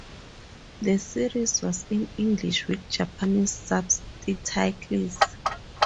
The series was in English with Japanese subtitles.